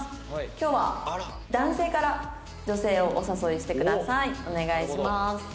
「今日は男性から女性をお誘いしてください」「お願いします」